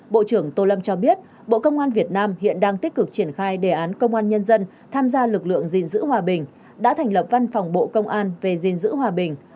bộ trưởng tô lâm cho biết bộ công an việt nam hiện đang tích cực triển khai đề án công an nhân dân tham gia lực lượng gìn giữ hòa bình đã thành lập văn phòng bộ công an về gìn giữ hòa bình